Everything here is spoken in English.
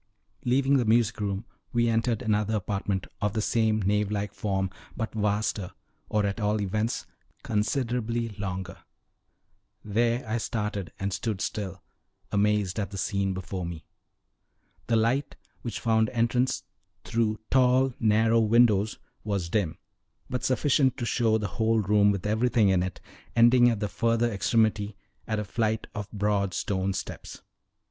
Leaving the music room, we entered another apartment, of the same nave like form, but vaster, or, at all events, considerably longer. There I started and stood still, amazed at the scene before me. The light, which found entrance through tall, narrow windows, was dim, but sufficient to show the whole room with everything in it, ending at the further extremity at a flight of broad stone steps.